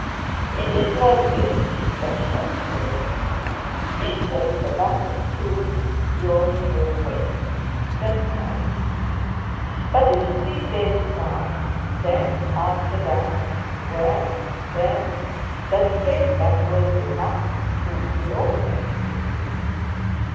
"It's like this," he said thoughtfully, "if there's a battle soon, yours will win. That's right. But if three days pass, then after that, well, then that same battle will not soon be over."